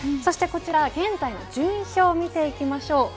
こちら現在の順位表を見ていきましょう。